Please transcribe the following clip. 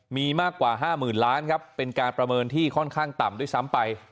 มีมากกว่า๕๐๐๐ล้านครับเป็นการประเมินที่ค่อนข้างต่ำด้วยซ้ำไป